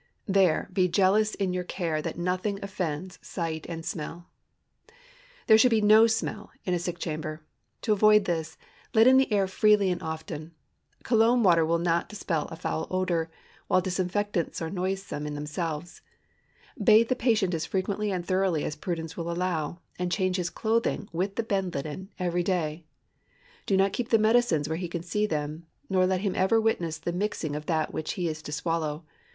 There be jealous in your care that nothing offends sight and smell. There should be no smell in a sick chamber. To avoid this, let in the air freely and often. Cologne water will not dispel a foul odor, while disinfectants are noisome in themselves. Bathe the patient as frequently and thoroughly as prudence will allow, and change his clothing, with the bed linen, every day. Do not keep the medicines where he can see them, nor ever let him witness the mixing of that which he is to swallow.